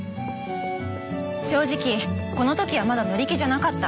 正直この時はまだ乗り気じゃなかった。